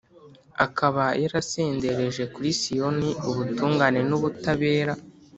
akaba yarasendereje kuri Siyoni ubutungane n’ubutabera.